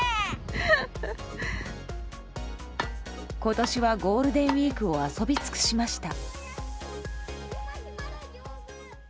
今年はゴールデンウィークを遊び尽くしました。